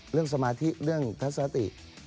เรื่องสมาธิเรื่องทัศนธิ